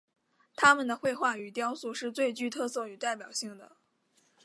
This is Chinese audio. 他们的绘画与雕塑是最具特色与代表性的。